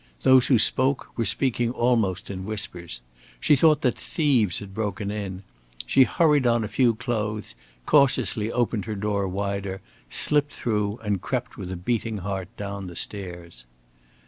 Those who spoke were speaking almost in whispers. She thought that thieves had broken in. She hurried on a few clothes, cautiously opened her door wider, slipped through, and crept with a beating heart down the stairs.